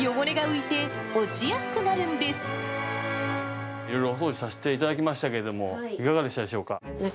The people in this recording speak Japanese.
いろいろお掃除させていただきましたけど、いかがでしたでしょうか。